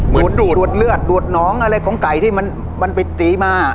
ดูดดูดดูดเลือดดูดน้องอะไรของไก่ที่มันมันไปตีมา